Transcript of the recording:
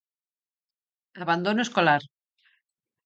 Abandono escolar.